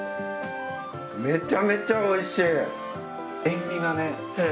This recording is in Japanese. めちゃめちゃおいしい。